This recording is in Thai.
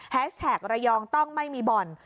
แท็กระยองต้องไม่มีบ่อน